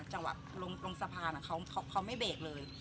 จากวัดลงสภานแล้วเขาไม่เบรกเลย